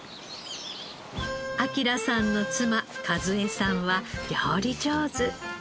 晃さんの妻和江さんは料理上手。